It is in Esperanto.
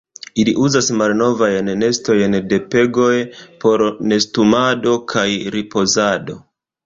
Ili uzas malnovajn nestojn de pegoj por nestumado kaj ripozado.